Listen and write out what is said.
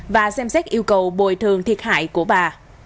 và xem xét yêu cầu bồi thường thiệt hại của bà